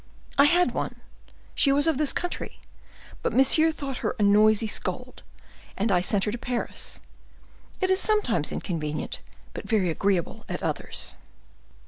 "I had one—she was of this country; but monsieur thought her a noisy scold, and I sent her to Paris; it is sometimes inconvenient, but very agreeable at others."